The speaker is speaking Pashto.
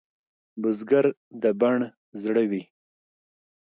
بزګر د بڼ زړه وي